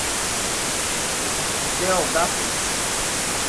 Deodápolis